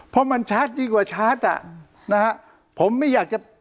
เพราะมันชัดยิ่งกว่าชัดอ่ะนะฮะผมไม่อยากจะ